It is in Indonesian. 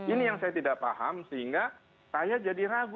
ini yang saya tidak paham sehingga saya jadi ragu